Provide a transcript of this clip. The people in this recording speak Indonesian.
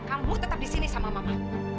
kamu tetap di sini sama mama